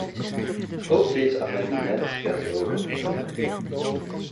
Ook dit amendement werd overgenomen.